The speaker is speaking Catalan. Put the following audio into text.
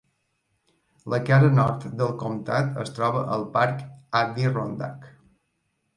La cara nord del comtat es troba al parc Adirondack.